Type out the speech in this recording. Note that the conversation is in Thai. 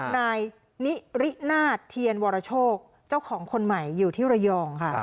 นายนิรินาทเทียนวรโชคเจ้าของคนใหม่อยู่ที่ระยองค่ะ